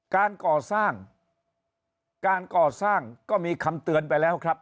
การก่อสร้างการก่อสร้างก็มีคำเตือนไปแล้วครับ